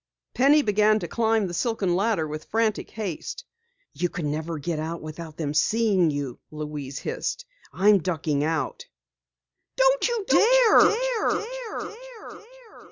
Penny began to climb the silken ladder with frantic haste. "You never can get out without them seeing you!" Louise hissed. "I'm ducking out!" "Don't you dare!"